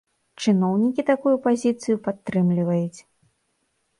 Чыноўнікі такую пазіцыю падтрымліваюць.